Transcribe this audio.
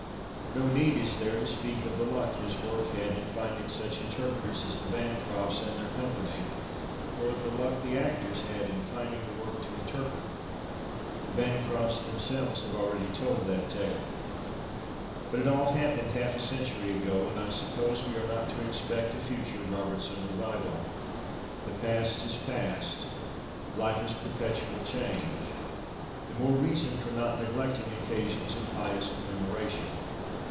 No need, is there ? to speak of the luck his work had in finding such interpreters as the Bancrofts and their company or of the luck the actors had in finding the work to interpret — the Bancrofts themselves have already told that tale. But it all happened half a century ago and I suppose we are not to expect a future Robertson re\ival. The ])ast is past. Life is perpetual change. The more reason for not neg lecting occasions of pious commemoration.